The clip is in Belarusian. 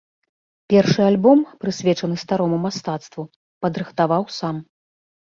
Першы альбом, прысвечаны старому мастацтву, падрыхтаваў сам.